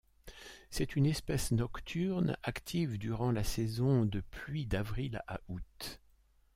C'est une espèce nocturne, active durant la saison de pluies d'avril à août.